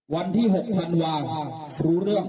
วันที่๖ธันวารู้เรื่อง